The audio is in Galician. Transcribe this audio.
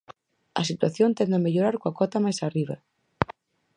A situación tende a mellorar coa cota máis arriba.